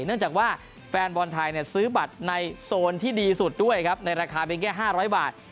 เนื่องจากว่าแฟนบอลไทยซื้อบัตรในโซนที่ดีสุดด้วยครับในราคาเพียงแค่๕๐๐บาท